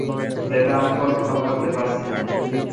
যেটা আমি কল্পনাও করতে পারিনা।